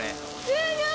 すごい。